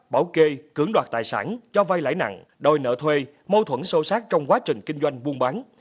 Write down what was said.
bảo kê cưỡng đoạt tài sản cho vay lãi nặng đòi nợ thuê mâu thuẫn sâu sát trong quá trình kinh doanh buôn bán